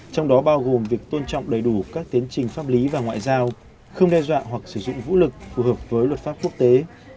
trong đó bao gồm việc tôn trọng đầy đủ các tiến trình pháp lý và ngoại giao không đe dọa hoặc sử dụng vũ lực phù hợp với luật pháp quốc tế